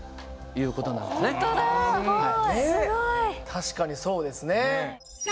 確かにそうですね。